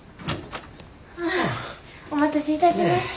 ああお待たせいたしました。